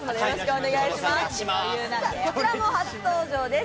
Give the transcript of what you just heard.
こちらも初登場です。